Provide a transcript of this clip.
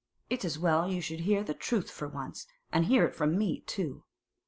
It's as well you should hear the truth for once, and hear it from me, too.